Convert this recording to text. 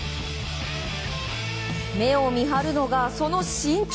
目を見張るのが、その身長。